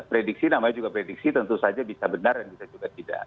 prediksi namanya juga prediksi tentu saja bisa benar dan bisa juga tidak